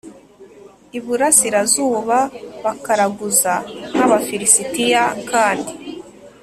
iburasirazuba bakaraguza nk Abafilisitiya kandi